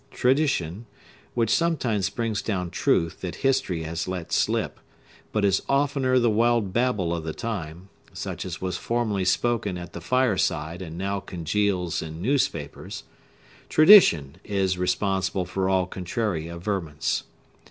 Tradition,—which sometimes brings down truth that history has let slip, but is oftener the wild babble of the time, such as was formerly spoken at the fireside and now congeals in newspapers,—tradition is responsible for all contrary averments.